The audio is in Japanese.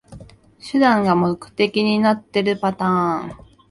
手段が目的になってるパターン